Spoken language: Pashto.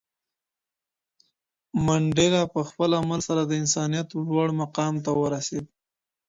منډېلا په خپل عمل سره د انسانیت لوړ مقام ته ورسېد.